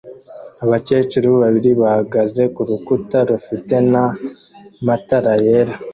Abakecuru babiri bageze hanze kurukuta rufitena matara yera